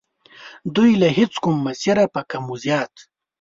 دوی له هیچ کوم مسیره په کم و زیات.